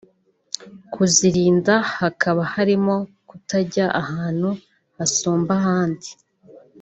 Kuzirinda hakaba harimo kutajya ahantu hasumba ahandi